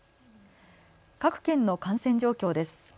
各県の感染状況です。